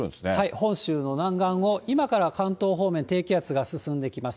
本州の南岸を今から関東方面、低気圧が進んできます。